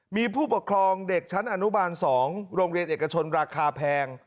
มีผู้ปกครองเด็กชั้นอนุบาล๒โรงเรียนเอกชนราคาแพง